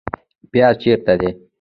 پیاز چیرته دي؟